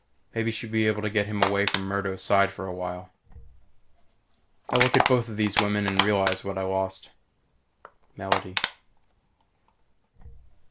Maybe she'll be able to get him away from Murdo's side for a while. I look at both these women and realize what I lost. Melody.